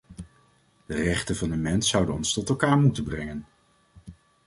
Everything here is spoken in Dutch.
De rechten van de mens zouden ons tot elkaar moeten brengen.